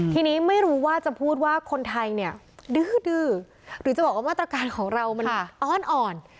ทีนี้ไม่รู้ว่าจะพูดว่าคนไทยเนี่ยดื้อหรือจะบอกว่ามาตรการของเรามันอ้อนอ่อน